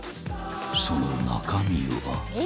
［その中身は］